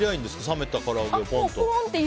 冷めたから揚げをぽんと？